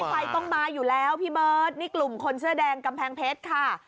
ไฟต้องมาอยู่แล้วพี่เบิร์ตนี่กลุ่มคนเสื้อแดงกำแพงเพชรค่ะ